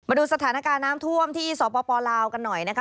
ดูสถานการณ์น้ำท่วมที่สปลาวกันหน่อยนะคะ